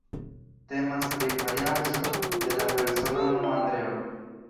Temas pri variaĵo de la persona nomo Andreo.